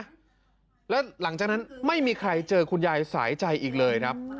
แล้วหลังจากนั้นไม่มีใครเจอคุณยายสายใจอีกเลยครับ